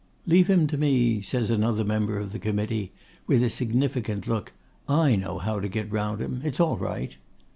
'Leave him to me,' says another member of the committee, with a significant look. 'I know how to get round him. It's all right.